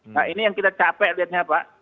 nah ini yang kita capek lihatnya pak